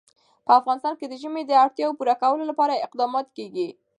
په افغانستان کې د ژمی د اړتیاوو پوره کولو لپاره اقدامات کېږي.